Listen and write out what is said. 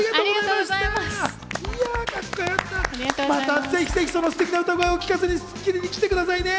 またぜひぜひ、そのすてきな歌声を聴かせに『スッキリ』に来てくださいね。